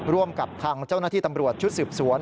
ร่วมกับทางเจ้าหน้าที่ตำรวจชุดสืบสวน